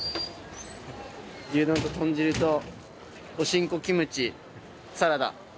牛丼と豚汁とお新香、キムチ、サラダ。